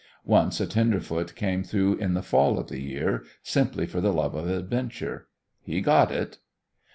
Once a tenderfoot came through in the fall of the year, simply for the love of adventure. He got it.